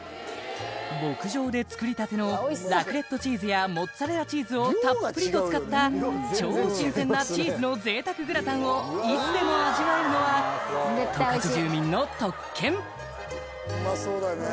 牧場で作りたてのラクレットチーズやモッツァレラチーズをたっぷりと使った超新鮮なチーズの贅沢グラタンをいつでも味わえるのは十勝住民の特権うまそうだね